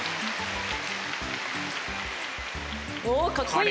おおっかっこいい！